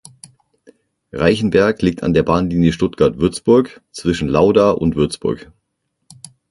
Reichenberg liegt an der Bahnlinie Stuttgart–Würzburg zwischen Lauda und Würzburg.